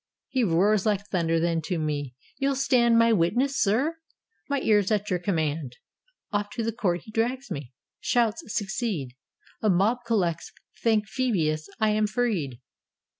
He roars like thunder: then to me: "You'll stand My witness, sir?" "My ear's at your command." Off to the court he drags him : shouts succeed : A mob collects: thank Phoebus, I am freed.